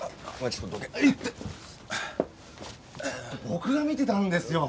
僕が見てたんですよ？